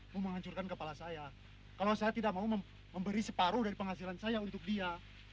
mau menghancurkan kepala saya kalau saya tidak mau memberi separuh dari penghasilan saya untuk dia